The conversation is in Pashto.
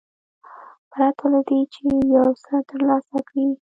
پرته له دې چې یو څه ترلاسه کړي.